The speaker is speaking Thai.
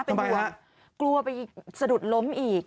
ทำไมล่ะกลัวไปสะดุดล้มอีก